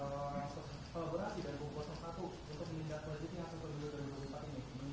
kolaborasi dari pembuatan seribu tujuh ratus satu